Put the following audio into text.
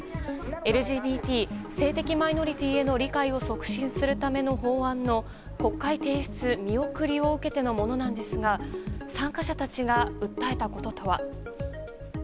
ＬＧＢＴ・性的マイノリティーへの理解を促進するための法案の国会提出見送りを受けてのものなんですが参加者たちが訴えたこととは。